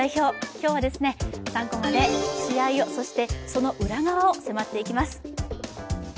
今日は３コマで試合をそしてその裏側に迫っていきます。